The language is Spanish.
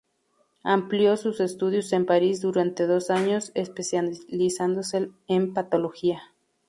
Amplió sus estudios en París durante dos años, especializándose en patología.